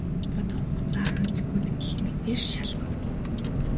Бодох хугацаа арван секунд гэх мэтээр шалгав.